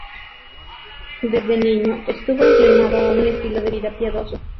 Desde niño estuvo inclinado a un estilo de vida piadoso.